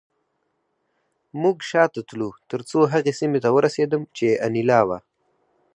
موږ شاته تلو ترڅو هغې سیمې ته ورسېدم چې انیلا وه